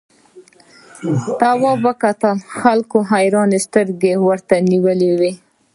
تواب وکتل خلکو حیرانې سترګې ورته نیولې وې.